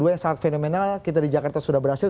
dua yang sangat fenomenal kita di jakarta sudah berhasil